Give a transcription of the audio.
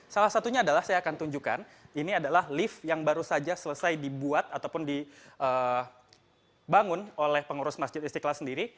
salah satunya adalah saya akan tunjukkan ini adalah lift yang baru saja selesai dibuat ataupun dibangun oleh pengurus masjid istiqlal sendiri